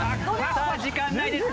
さあ時間ないです。